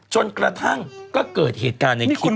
จนกระทั่งก็เกิดเหตุการณ์ในคลิป